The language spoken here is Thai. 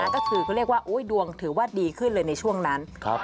ก็คือเขาเรียกว่าดวงถือว่าดีขึ้นเลยในช่วงนั้น